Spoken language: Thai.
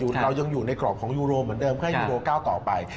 เรายังอยู่ในกรอบของยูโรเหมือนเดิมเพื่อให้ยูโรก้าวต่อไป